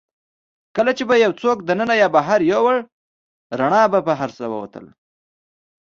کله چي به يې یوڅوک دننه یا هم بهر یووړ، رڼا به بهر راوتل.